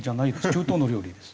中東の料理です。